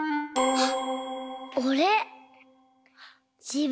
あっ！